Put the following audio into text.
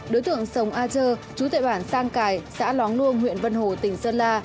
đối tượng sông a chơ chú tệ bản sang cải xã lóng luông huyện vân hồ tỉnh sơn la